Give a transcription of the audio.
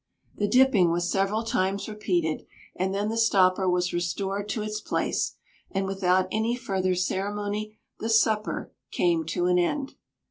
The "dipping" was several times repeated; and then the stopper was restored to its place, and without any further ceremony, the "supper" came to an end.